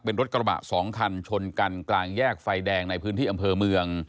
เป็นรถกระบะ๒คันชนกันกลางแยกไฟแดงในพื้นที่อำเภอเมือง